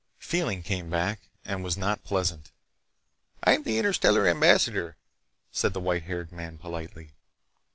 Feeling came back, and was not pleasant. "I'm the Interstellar Ambassador," said the white haired man politely.